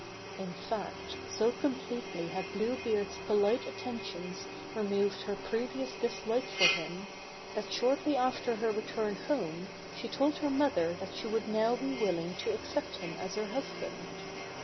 In fact, so completely had Blue Beards polite attentions removed her previous dislike for him, that shortly after her return home she told her mother that she would now be willing to accept him as her husband.